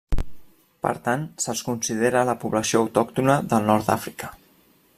Per tant, se'ls considera la població autòctona del nord d'Àfrica.